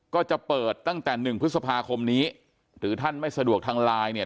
ก็จะเปิดตั้งแต่หนึ่งพฤษภาคมนี้หรือท่านไม่สะดวกทางไลน์เนี่ย